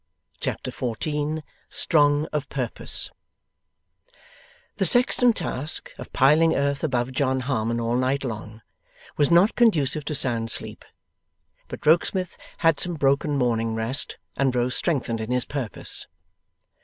Chapter 14 STRONG OF PURPOSE The sexton task of piling earth above John Harmon all night long, was not conducive to sound sleep; but Rokesmith had some broken morning rest, and rose strengthened in his purpose.